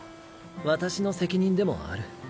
私の責任でもある。